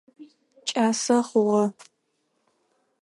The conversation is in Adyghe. Кӏасэ хъугъэ.